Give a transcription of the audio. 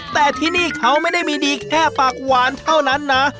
แต่ที่นี่เขาไม่ได้มีดีแค่ปากหวานเท่านั้นนะ